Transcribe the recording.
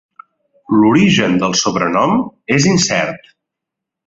L'origen del sobrenom és incert.